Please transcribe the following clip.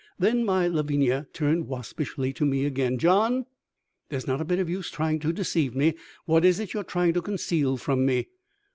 Then my Lavinia turned waspishly to me again. "John, there's not a bit of use trying to deceive me. What is it you are trying to conceal from me?"